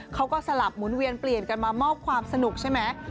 สลับหมุนเวียนเปลี่ยนกันมามอบความสนุกใช่ไหม